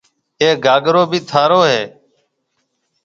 اَي گھاگرو بي ٿارو هيَ۔